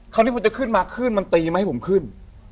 คราวนี้พอจะขึ้นมาขึ้นมันตีมาให้ผมขึ้น